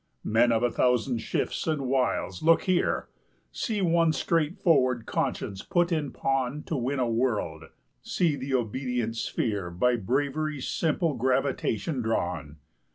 Men of a thousand shifts and wiles, look here! See one straightforward conscience put in pawn 30 To win a world; see the obedient sphere By bravery's simple gravitation drawn!